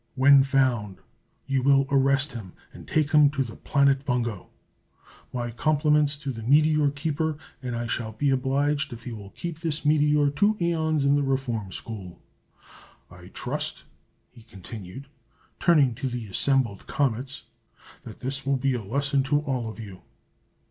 When found, you will arrest him and take him to the planet Bungo. My compliments to the Meteor Keeper, and I shall be obliged if he will give this meteor two æons in the Reform School. I trust," he continued, turning to the assembled comets, "that this will be a lesson to all of you!"